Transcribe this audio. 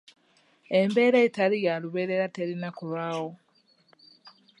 Embeera etali ya lubeerera terina kulwawo.